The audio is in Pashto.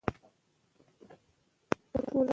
د خلکو حقونه باید خوندي پاتې شي.